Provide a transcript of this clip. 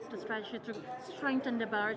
apa strategi anda untuk memperkuat hubungan barat